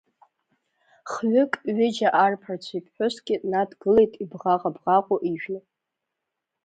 Хҩык, ҩыџьа арԥарцәеи ԥҳәыски, надгылеит ибӷаӷа-бӷаӷо ижәны.